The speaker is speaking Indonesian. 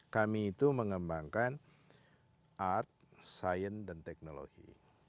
kami itu mengembangkan art science dan teknologi